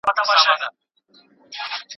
که په ټولنه کي ګډوډي وي نو کمال ته رسېدل سخت دي.